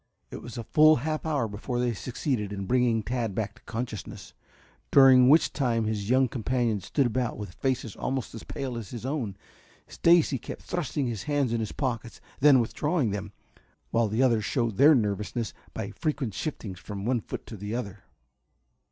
It was a full half hour before they succeeded in bringing Tad back to consciousness, during which time his young companions stood about with faces almost as pale as his own. Stacy kept thrusting his hands in his pockets, then withdrawing them, while the others showed their nervousness by frequent shiftings from one foot to the other.